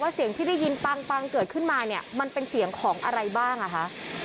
เสียงที่ได้ยินปังเกิดขึ้นมาเนี่ยมันเป็นเสียงของอะไรบ้างอ่ะคะ